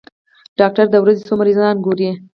ډاکټر د ورځې څو مريضان ګوري؟